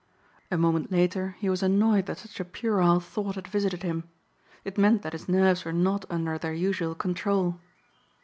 A moment later he was annoyed that such a puerile thought had visited him. It meant that his nerves were not under their usual control.